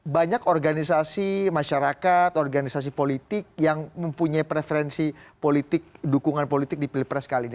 banyak organisasi masyarakat organisasi politik yang mempunyai preferensi politik dukungan politik di pilpres kali ini